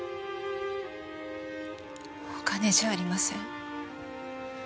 お金じゃありません。